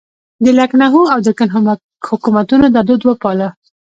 د لکنهو او دکن حکومتونو دا دود وپاله.